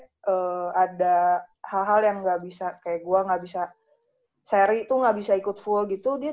maksudnya ada hal hal yang gak bisa kayak gua gak bisa seri itu gak bisa ikut full gitu dia